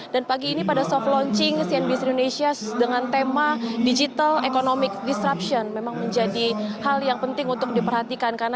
dan pagi ini pada soft launching cnbc indonesia dengan tema digital economic disruption memang menjadi hal yang penting untuk diperhatikan